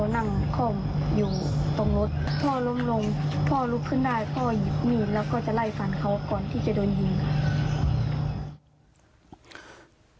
พ่อลุกขึ้นได้พ่อหยิบมีดแล้วก็จะไล่ฟันเขาก่อนที่จะโดนยิง